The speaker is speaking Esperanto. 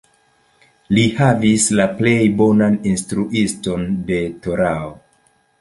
Li havis la plej bonan instruiston de Torao.